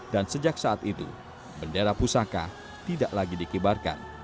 dan sejak saat itu bendera pusaka tidak lagi dikibarkan